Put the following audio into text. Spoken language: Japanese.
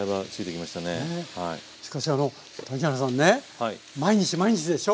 しかしあの谷原さんね毎日毎日でしょ？